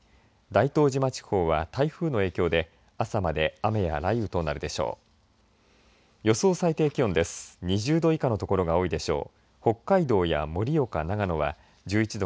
大東島地方は台風の影響で朝まで雨や雷雨となるでしょう。